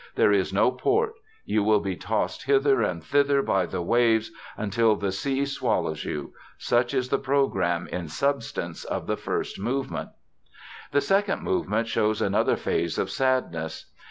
There is no port: you will be tossed hither and thither by the waves until the sea swallows you. Such is the program, in substance, of the first movement. "The second movement shows another phase of sadness.